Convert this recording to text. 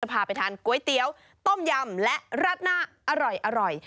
พาไปทานก๋วยเตี๋ยวต้มยำและราดหน้าอร่อย